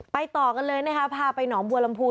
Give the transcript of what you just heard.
ต่อกันเลยนะคะพาไปหนองบัวลำพู